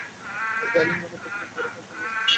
Dining রুমের টেবিলের ওপরে হয়েছিল অপারেশনটা।